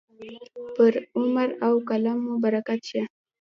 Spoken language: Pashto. پر عمر او قلم مو برکت شه.